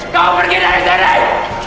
kamu pergi dari sini